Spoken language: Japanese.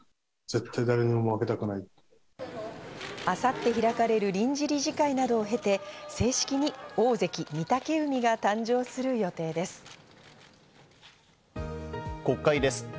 明後日開かれる臨時理事会などを経て、正式に大関・御嶽海が誕生する予定です。